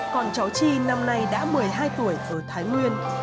còn cháu chi năm nay đã một mươi hai tuổi ở thái nguyên